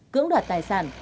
cưỡng đoạt tài sản